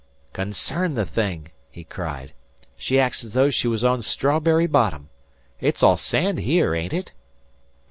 "Concern the thing!" he cried. "She acts as though she were on strawberry bottom. It's all sand here, ain't it?"